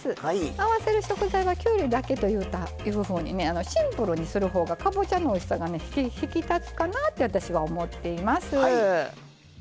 合わせる食材はきゅうりだけというふうにシンプルにするほうがかぼちゃのおいしさが引き立つかなって私は思っています。